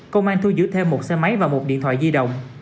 công an thu giữ thêm một xe máy và một điện thoại di động